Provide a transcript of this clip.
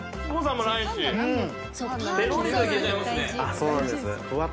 そうなんです。